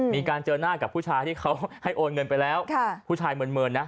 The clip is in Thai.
เจอหน้ากับผู้ชายที่เขาให้โอนเงินไปแล้วผู้ชายเมินนะ